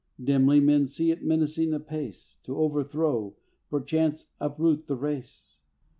Dimly men see it menacing apace To overthrow, perchance uproot the race.